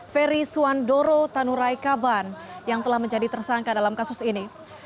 ferry suwandoro tanurai kaban yang telah menjadi tersangka dalam kasus ini